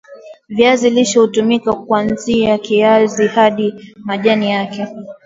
Viazi lishe hutumika kwanzia kiazi hadi majani yake